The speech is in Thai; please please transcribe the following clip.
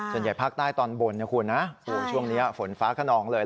ส่วนใหญ่ภาคใต้ตอนบนนะคุณนะช่วงนี้ฝนฟ้าขนองเลย